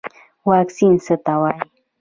واکسین څه ته وایي